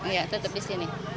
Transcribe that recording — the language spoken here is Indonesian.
iya tetap di sini